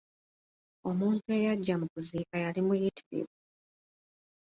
Omuntu eyajja mu kuziika yali muyitirivu.